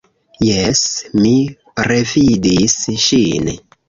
Jes, mi revidis ŝin.